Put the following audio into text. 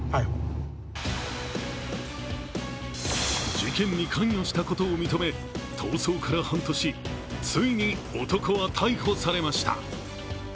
事件に関与したことを認め、逃走から半年、ついに男は逮捕されました。